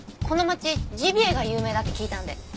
この町ジビエが有名だって聞いたんで。